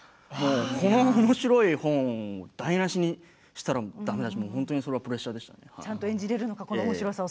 このおもしろい本を台なしにしたらだめだしそれがプレッシャーでしたね。